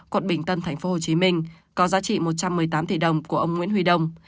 quận bình tân tp hcm có giá trị một trăm một mươi tám tỷ đồng của ông nguyễn huy đông